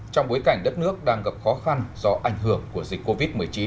trong bối cảnh đất nước đang gặp khó khăn do ảnh hưởng của dịch covid một mươi chín